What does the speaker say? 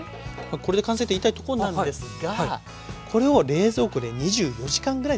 これで完成って言いたいとこなんですがこれを冷蔵庫で２４時間ぐらいですね